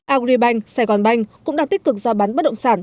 agribank saigonbank cũng đang tích cực giao bán bất động sản